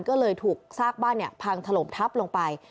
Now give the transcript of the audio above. ก็เลยถูกซากบ้านพังถล่มทับลงไป